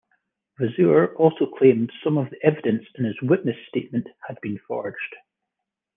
Vasseur also claimed some of the evidence in his witness statement had been forged.